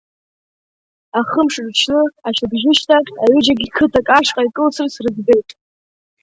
Ахымш рыҽны ашьыбжьышьҭахь аҩыџьагьы қыҭак ашҟа икылсырц рыӡбеит.